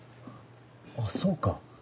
あっそうか。